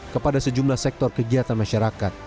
kepada sejumlah sektor kegiatan masyarakat